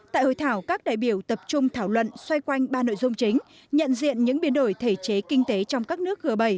tại hội thảo các đại biểu tập trung thảo luận xoay quanh ba nội dung chính nhận diện những biến đổi thể chế kinh tế trong các nước g bảy